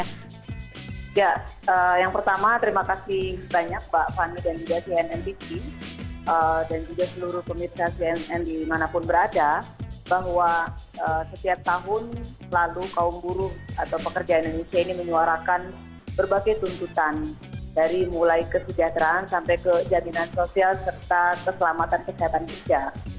iya yang pertama terima kasih banyak mbak fani dan juga cnnbc dan juga seluruh pemerintah cnn di manapun berada bahwa setiap tahun selalu kaum buruh atau pekerja indonesia ini menyuarakan berbagai tuntutan dari mulai kesejahteraan sampai ke jaminan sosial serta keselamatan kesehatan kerja